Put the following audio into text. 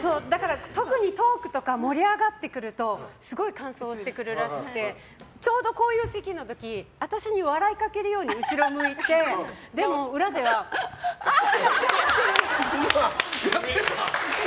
特にトークとか盛り上がってくるとすごい乾燥してくるらしくてちょうどこういう席の時私に笑いかけるように後ろ向いてでも裏ではってやってる。